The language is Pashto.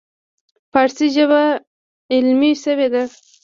فارسي ژبه علمي شوې ده.